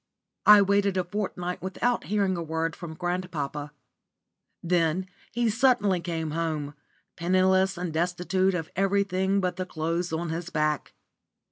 I waited a fortnight without hearing a word from grandpapa. Then he suddenly came home, penniless and destitute of everything but the clothes on his back.